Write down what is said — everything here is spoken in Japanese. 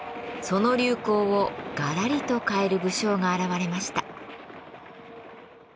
その流行をガラリと変える武将が現れました。